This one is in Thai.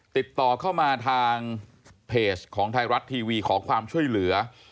ติดต่อเข้ามาทางเพจของไทยรัฐทีวีขอความช่วยเหลือ